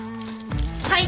はい。